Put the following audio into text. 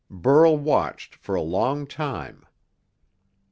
Burl watched for a long time.